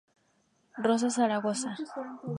Rosa Zaragoza